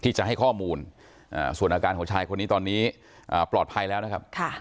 จะให้ข้อมูลส่วนอาการของชายคนนี้ตอนนี้ปลอดภัยแล้วนะครับ